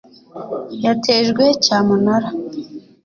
yatejwe cyamunara